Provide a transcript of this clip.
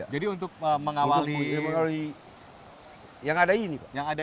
jadi untuk mengawali yang ada ini